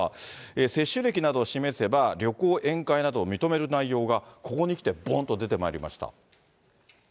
接種歴などを示せば旅行、宴会などを認める内容が、ここに来てぼんと出てまいりました。